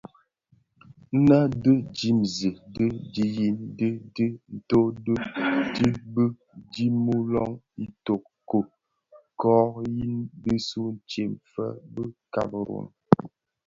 Nnë dhi dimzi di dhiyis di dhi nto u dhid bi dimuloň Itoko ki yin bisuu ntsem fè bi kameroun,